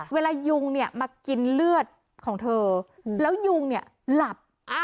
เวลายุงมากินเลือดของเธอแล้วยุงหลับ